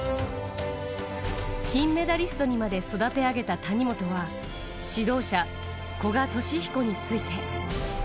金メダリストにまで育て上げた谷本は、指導者、古賀稔彦について。